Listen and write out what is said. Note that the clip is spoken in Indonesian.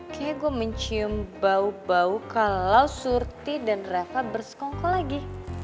kayaknya gue mencium bau bau kalau surti dan reva bersekongkol lagi